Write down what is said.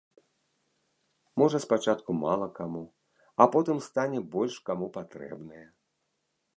Можа, спачатку мала каму, а потым стане больш каму патрэбнае.